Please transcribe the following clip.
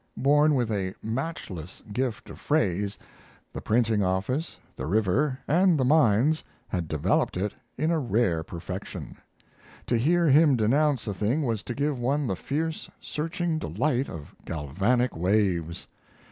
Born with a matchless gift of phrase, the printing office, the river, and the mines had developed it in a rare perfection. To hear him denounce a thing was to give one the fierce, searching delight of galvanic waves.